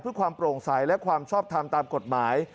เพื่อความโปร่งใสและความชอบทำตามกฎหมาย